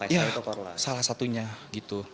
ya salah satunya gitu